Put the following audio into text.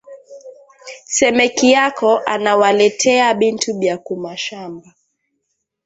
Semeki yako ana waleteya bintu bia ku mashamba